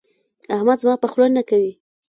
احمد زما په خوله نه کوي.